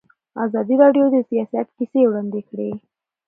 ازادي راډیو د سیاست کیسې وړاندې کړي.